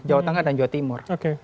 jawa tengah dan jawa timur